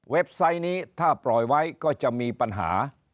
ไซต์นี้ถ้าปล่อยไว้ก็จะมีปัญหา